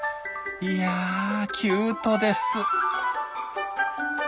いやキュートです。